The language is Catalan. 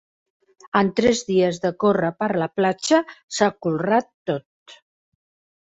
En tres dies de córrer per la platja s'ha colrat tot.